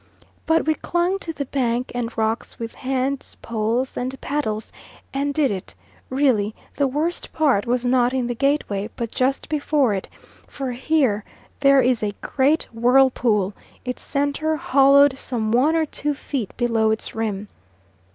But we clung to the bank and rocks with hands, poles, and paddle, and did it; really the worst part was not in the gateway but just before it, for here there is a great whirlpool, its centre hollowed some one or two feet below its rim.